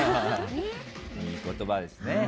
いい言葉ですね。